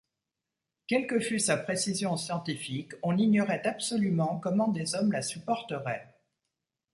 Quelle que fût sa précision scientifique, on ignorait absolument comment des hommes la supporteraient.